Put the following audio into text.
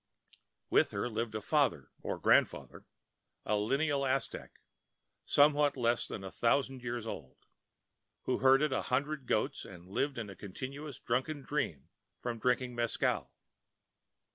With her lived a father or grandfather, a lineal Aztec, somewhat less than a thousand years old, who herded a hundred goats and lived in a continuous drunken dream from drinking mescal.